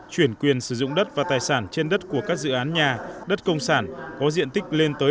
chuyển quyền sử dụng đất và tài sản trên đất của các dự án nhà đất công sản có diện tích lên tới